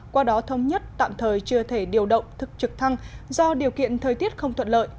qua đó thống nhất tạm thời chưa thể điều động thực trực thăng do điều kiện thời tiết không thuận lợi